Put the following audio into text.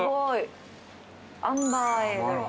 アンバーエール。